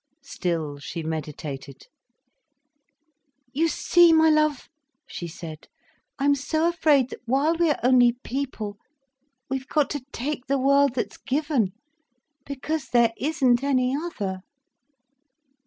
Still she meditated. "You see, my love," she said, "I'm so afraid that while we are only people, we've got to take the world that's given—because there isn't any other."